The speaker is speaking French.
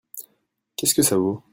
Qu'est-ce que ça vaut ?